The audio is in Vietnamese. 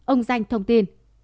ông danh thông tin